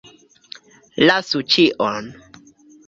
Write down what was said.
Lasu ĉion!